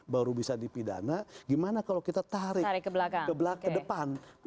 baru bisa dipidana gimana kalau kita tarik ke depan